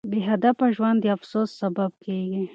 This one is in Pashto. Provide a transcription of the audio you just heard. بې هدفه ژوند د افسوس سبب کیږي.